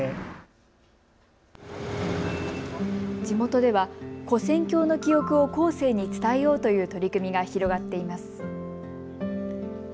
地元では、こ線橋の記憶を後世に伝えようという取り組みが広がっています。